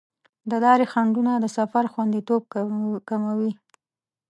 د لارې خنډونه د سفر خوندیتوب کموي.